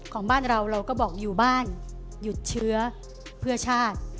ของเราบ้านเราเราก็บอกอยู่บ้านหยุดเชื้อเพื่อชาติ